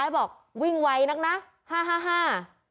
๕บอกวิ่งไวนักนะฮ่า